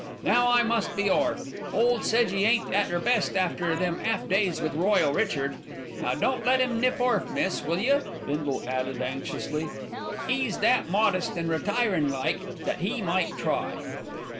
Now I must be orf. Old Sedgy ain't at 'er best after them 'alf days with Royal Richard. Don't let 'im nip orf, miss, will you?" Bindle added anxiously. "'E's that modest an' retirin' like, that e' might try."